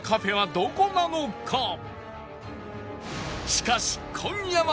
しかし今夜は！